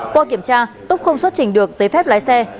qua kiểm tra túc không xuất trình được giấy phép lái xe